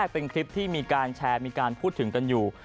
เป็นคลิปที่มีการแชร์มีการพูดถึงกันอยู่